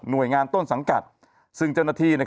หน่วยงานต้นสังกัดซึ่งจณฐี